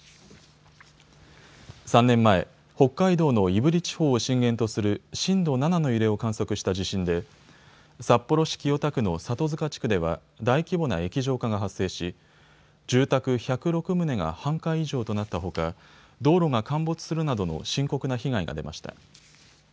３年前、北海道の胆振地方を震源とする震度７の揺れを観測した地震で札幌市清田区の里塚地区では大規模な液状化が発生し、住宅１０６棟が半壊以上となったほか道路が陥没するなどの深刻な被害が出ました。